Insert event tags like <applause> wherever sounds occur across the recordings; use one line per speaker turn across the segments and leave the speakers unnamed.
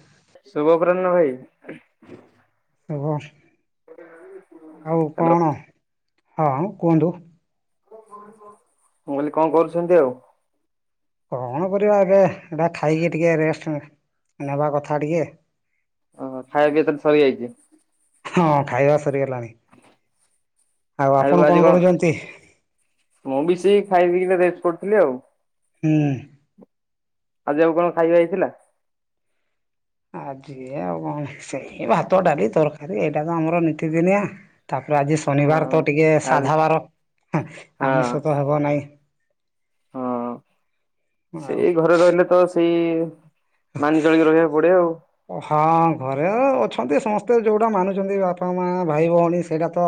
<inaudible> ଶୁଭ ପ୍ରନ୍ନ ଭାଇ।
ଓହୋ <inaudible> ଆଉ
ହ୍ୟାଲୋ
କଣ ହଁ ହଁ କୁହନ୍ତୁ।
<inaudible> ମୁଁ କହିଲି କଣ କରୁଛନ୍ତି ଆଉ।
କଣ କରିବା ଏବେ ଏଇଟା ଖାଇକି ଟିକେ ରେଷ୍ଟ ନେବା କଥା ଟିକେ।
ଓ ହୋ ଖାଇବା ପିଇବା ତଲେ ସରିଯାଇଛି।
ହଁ ଖାଇବା ସରିଗଲାଣି
<inaudible> ଆଉ ଆଜି କଣ <inaudible> ମୁବିସେଇ ଖାଇ ପିଇକି ତ ରେଷ୍ଟ କରୁଥିଲି ଆଉ।
ହୁଁ।
ଆଜି ଆଉ କଣ ଖାଇବା ହେଇଥିଲା। <inaudible>
ଆଜି ଆଉ କଣ ସେଇ ଭାତ ଡାଲି ତରକାରୀ ଏଇଟା ତ ଆମର ନିତିଦିନିଆ। ତାପରେ ଆଜି ଶନିବାର
ହଁ
ତ ଟିକେ
ଆଉ
ସାଧା ବାର।
ହଁ
ଆମିଷ ତ ହେବ ନାଇଁ।
ହଁ <inaudible>
ଆଉ
ସେଇ ଘରେ ରହିଲେ ତ ସେଇ ମାନି ଚଳିକି ରହିବାକୁ ପଡେ ଆଉ।
ହଁ ଘରେ ଓ ଅଛନ୍ତି ସମସ୍ତେ ଯୋଉଟା ମାନୁଛନ୍ତି ବାପା ମା ଭାଇ ଭଉଣୀ ସେଇଟା ତ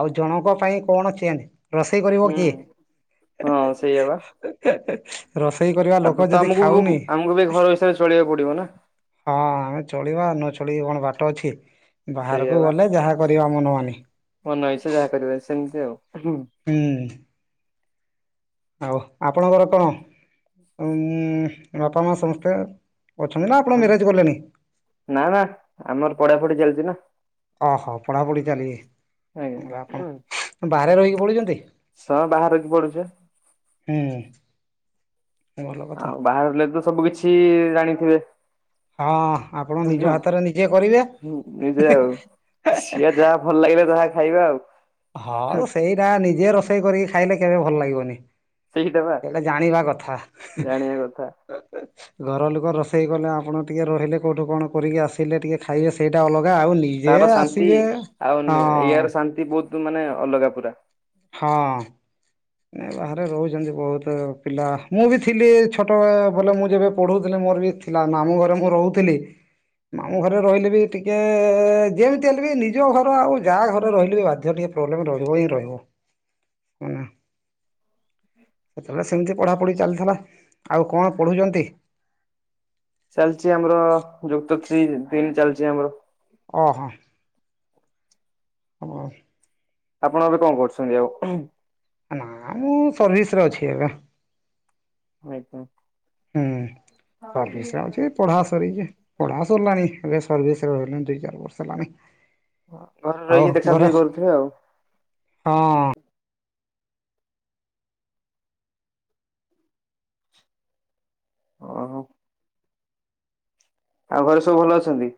ଆଉ ଜଣଙ୍କ ପାଇଁ କଣ <unintelligible> ରୋଷେଇ କରିବ
ହୁଁ
କିଏ?
ହଁ ସେଇଆ ବା
<inaudible> ରୋଷେଇ କରିବା
ତାପରେ
ଲୋକ
ତ
ଯଦି
ଆମକୁ
ଖାଉନି
ଆମକୁ ବି ଘର ହିସାବରେ ଚଳିବାକୁ ପଡିବ ନା
ହଁ ଆମେ ଚଳିବା ନ ଚଳିକି କଣ ବାଟ ଅଛି।
ସେଇଆ
ବାହାରକୁ
ବା
ଗଲେ ଯାହା କରିବା ମନମାନି।
ମନ ଇଚ୍ଛା ଯାହା କରିବା ସେମିତି ଆଉ ହଁ
ହୁଁ। ଓଃ ଆପଣଙ୍କର କଣ? ଉଁ ବାପା ମା ସମସ୍ତେ ଅଛନ୍ତି ନା ଆପଣ ମ୍ୟାରେଜ କଲେଣି?
ନା ନା ଆମର ପଢାପଢି ଚାଲିଛି ନା
ଓହୋ ପଢାପଢି ଚାଲିଛି।
ଆଜ୍ଞା
ଆପଣ ବାହାରେ ରହିକି ପଢୁଛନ୍ତି?
ହଁ ବାହାରେ ରହିକି ପଢୁଛି ବା।
ହୁଁ। ଭଲ କଥା
ଆଉ ବାହାରେ ରହିଲେ ତ ସବୁ କିଛି ଜାଣିଥିବେ?
ହଁ ଆପଣ ନିଜ ହାତରେ ନିଜେ କରିବେ।
ନିଜେ ଆଉ।
<unintelligible>
ସିଏ ଯାହା ଭଲ ଲାଗିଲା ତାହା ଖାଇବା ଆଉ।
ହଁ ସେଇଟା ନିଜେ ରୋଷେଇ କରିକି ଖାଇଲେ କେବେ ଭଲ ଲାଗିବନି। ସେଇଟା ଜାଣିବା କଥା।
ଜାଣିବା କଥା
<unintelligible> ଘର ଲୋକ ରୋଷେଇ କଲେ ଆପଣ ଟିକେ ରହିଲେ କୋଉଠୁ କଣ କରିକି ଆସିଲେ ଟିକେ ଖାଇବେ ସେଇଟା ଅଲ ଗା ଆଉ ନିଜେ
ତାର ଶାନ୍ତି
ଆସିବେ
ଆଉ
ହଁ।
ଏହାର ଶାନ୍ତି ବହୁତ ମାନେ ଅଲଗା ପୁରା?
ହଁ ଏ ବାହାରେ ରହୁଛନ୍ତି ବହୁ ତ୍ ପିଲା। ମୁଁ ବି ଥିଲି ଛୋଟ ବୋଲେ ମୁଁ ଯେବେ ପଢୁଥିଲି ମୋର ବି ଥିଲା ମାମୁଁ ଘରେ ମୁଁ ରହୁଥି ଲି। ମାମୁଁ ଘରେ ରହିଲେ ବି ଟିକେ ଯେମିତି ହେଲେ ବି ନିଜ ଘର ଆଉ ଯାହା ଘରେ ରହିଲେ ବି ବାଧ୍ୟ ଟି ପ୍ରୋବଲେମ ରହିବ ହି ରହିବ। ମାନେ
<unintelligible>
ସେତେବେଳେ ସେମିତି ପଢ଼ାପଢ଼ି ଚାଲଥିଲା। ଆଉ କଣ ପଢ଼ୁଛନ୍ତି?
<unintelligible> ଚାଲିଚି ଆମର।
ଅଁ।
ଆପଣ ଏବେ କଣ କରୁଛନ୍ତି ଆଉ ଉହୁଁ?
ନା ମୁଁ ସର୍ଭିସରେ ଅଛି ଏବେ।
ଏବେ
ହୁଁ ସର୍ଭିସରେ ଅଛି। ପଢ଼ା ସରିଛି, ପଢ଼ା ସରିଲାଣି। ଏବେ ସର୍ଭିସରେ ରହିଲିଣି ଦି ଚାରି ବର୍ଷ ହେଲାଣି।
ଘରେ
ଆଉ
ରହିକି ଦେଖା
ଘରେ?
ଦେଖି କରୁଥିବେ ଆଉ
ହଁ।
ଅଃ। ଆଉ ଘରେ ସବୁ ଭଲ ଅଛନ୍ତି?